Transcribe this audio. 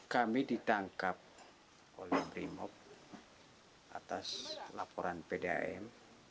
kami ditangkap oleh brimob atas laporan pdam